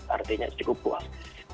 artinya cukup puas